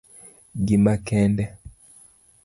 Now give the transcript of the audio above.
gima kende